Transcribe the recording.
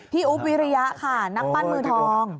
อุ๊บวิริยะค่ะนักปั้นมือทอง